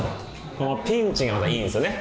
このピンチがまたいいんすよね。